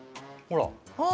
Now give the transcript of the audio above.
ほら。